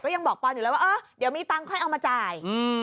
ยังบอกปอนอยู่แล้วว่าเออเดี๋ยวมีตังค์ค่อยเอามาจ่าย